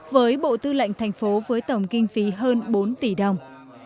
với bộ tư lệnh tp hcm với tổng kinh phí hơn bốn tỷ đồng